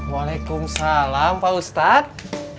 waalaikumsalam pak ustadz